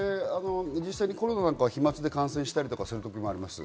実際コロナなんかは飛沫で感染したりすることもあります。